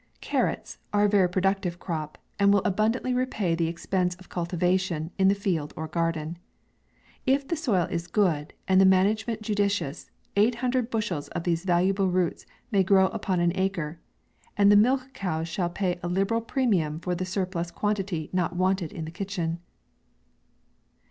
CARROTS, are a very productive crop, and will abun dantly repay the expense of cultivation, in the field or garden. If the soil is good, and the management judicious, eight hundred bushels of these valuable roots may grow up on an acre, and the milch cows shall pay a liberal premium for the surplus quantity not wanted in the kitchen.